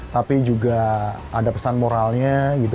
tapi juga ada pesan moralnya gitu